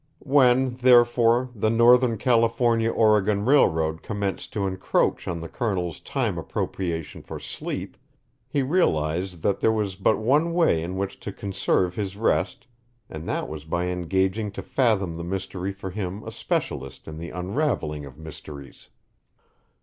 When, therefore, the Northern California Oregon Railroad commenced to encroach on the Colonel's time appropriation for sleep, he realized that there was but one way in which to conserve his rest and that was by engaging to fathom the mystery for him a specialist in the unravelling of mysteries.